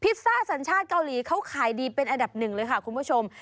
ซ่าสัญชาติเกาหลีเขาขายดีเป็นอันดับหนึ่งเลยค่ะคุณผู้ชม